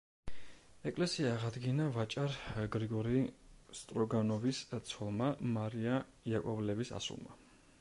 ეკლესია აღადგინა ვაჭარ გრიგორი სტროგანოვის ცოლმა მარია იაკოვლევის ასულმა.